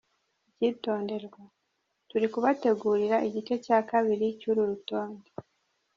Icyitonderwa : Turi kubategurira igice cya kabiri cy’uru rutonde.